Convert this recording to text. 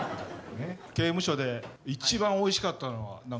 刑務所で一番おいしかったのは。